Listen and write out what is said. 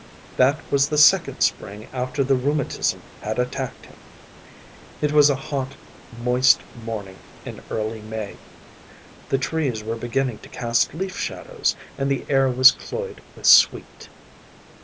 That was the second spring after the rheumatism had attacked him. It was a hot moist morning in early May. The trees were beginning to cast leaf shadows, and the air was cloyed with sweet.